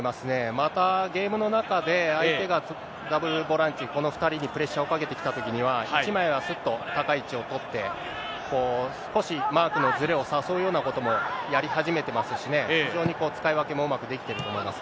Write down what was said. また、ゲームの中で、相手がダブルボランチ、この２人がプレッシャーをかけてきたときには、１枚はすっと高い位置を取って、少しマークのずれを誘うようなこともやり始めてますしね、非常に使い分けもうまくできてると思い